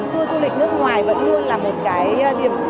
tour du lịch nước ngoài vẫn luôn là một cái điểm